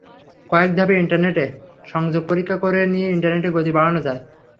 কয়েক ধাপে ইন্টারনেট সংযোগ পরীক্ষা করে নিয়ে ইন্টারনেটের গতি বাড়ানো যায়।